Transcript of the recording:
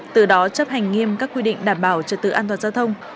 từ đó chấp hành nghiêm các quy định đảm bảo trật tự an toàn giao thông